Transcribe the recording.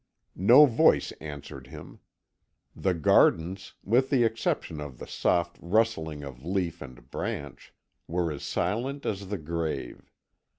No voice answered him. The gardens, with the exception of the soft rustling of leaf and branch, were as silent as the grave.